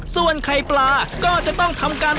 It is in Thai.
ส่วนไข่ปลาก็จะต้องทำการ